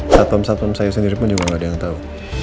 satu satunya saya sendiri pun juga gak ada yang tahu